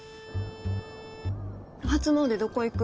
初詣どこ行く？